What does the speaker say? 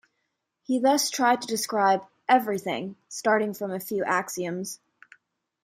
He thus tried to describe "everything" starting from a few axioms.